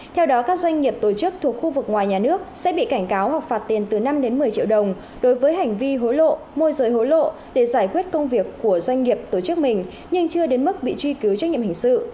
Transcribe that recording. theo đó các doanh nghiệp tổ chức thuộc khu vực ngoài nhà nước sẽ bị cảnh cáo hoặc phạt tiền từ năm đến một mươi triệu đồng đối với hành vi hối lộ môi rời hối lộ để giải quyết công việc của doanh nghiệp tổ chức mình nhưng chưa đến mức bị truy cứu trách nhiệm hình sự